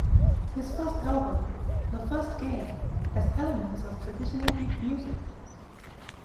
His first album, "The first game" has elements of traditional Greek music.